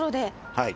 はい。